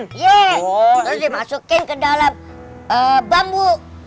terus dimasukin ke dalam bambu